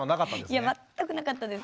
いや全くなかったです。